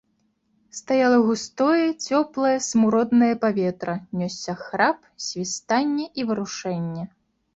Стаяла густое цёплае смуроднае паветра, нёсся храп, свістанне і варушэнне.